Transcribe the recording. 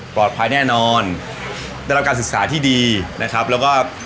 ภายแน่นอนได้รับการศึกษาที่ดีนะครับแล้วก็